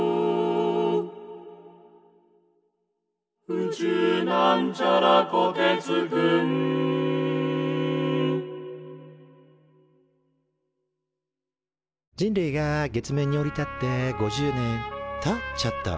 「宇宙」人類が月面に降り立って５０年。とちょっと。